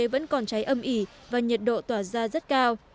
vẫn còn cháy âm ỉ và nhiệt độ tỏa ra rất cao